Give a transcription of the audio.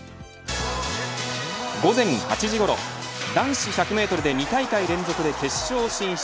午前８時ごろ男子１００メートルで２大会連続で決勝進出